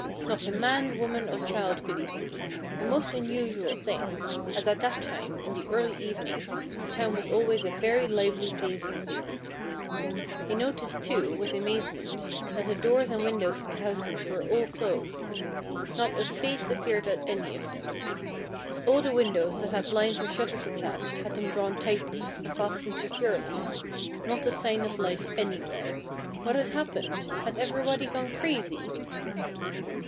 Not a man, woman, or child could he see, a most unusual thing, as at that time, in the early evening, the town was always a very lively place indeed. He noticed, too, with amazement, that the doors and windows of the houses were all closed. Not a face appeared at any of them. All the windows that had blinds or shutters attached had them drawn tightly, and fastened securely. Not a sign of life anywhere. What had happened? Had everybody gone crazy?